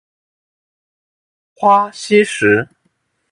朝花夕拾